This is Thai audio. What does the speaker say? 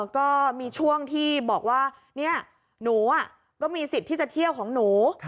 ก็มีช่วงที่บอกว่าหนูก็มีสิทธิ์ที่จะเที่ยวของหนู